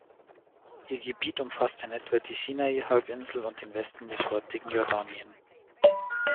Ihr Gebiet umfasste in etwa die Sinai-Halbinsel und den Westen des heutigen Jordanien.